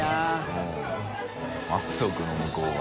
満足の向こう側」